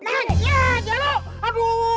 neng ya jeluh aduh